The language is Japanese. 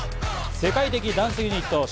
世界的ダンスユニット、ｓ＊＊